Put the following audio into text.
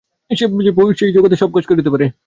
যে পবিত্র ও সাহসী, সে-ই জগতে সব কাজ করিতে পারে।